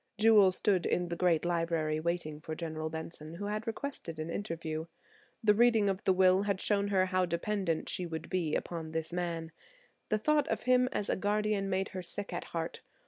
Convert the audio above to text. Jewel stood in the great library waiting for General Benson, who had requested an interview. The reading of the will had shown her how dependent she would be upon this man. The thought of him as a guardian made her sick at heart.